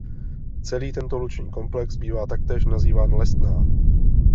Celý tento luční komplex bývá taktéž nazýván Lesná.